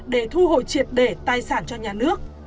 để thu hồi triệt để tài sản cho nhà nước